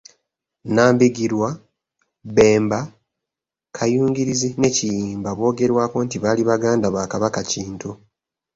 Nambigirwa, Bemba, Kayungirizi ne Kiyimba boogerwako nti baali baganda ba Kabaka Kintu